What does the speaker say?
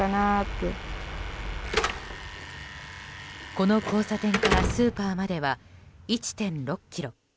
この交差点からスーパーまでは１．６ｋｍ。